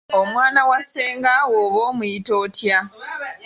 Omwana wa ssengaawo oba omuyita otya?